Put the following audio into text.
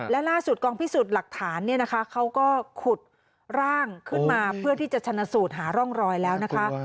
และล่าสุดกองพิสูจน์หลักฐานเนี่ยนะคะเขาก็ขุดร่างขึ้นมาเพื่อที่จะชนะสูตรหาร่องรอยแล้วนะคะ